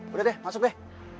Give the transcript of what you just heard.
udah deh masuk deh